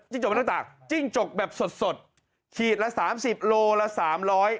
จกหน้าตากจิ้งจกแบบสดสดขีดละสามสิบโลละสามร้อย